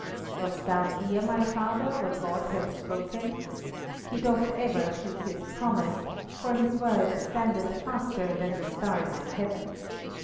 Dost thou hear, my father, what God has spoken? He doth ever keep His promise, for His word standeth faster than the stars in heaven.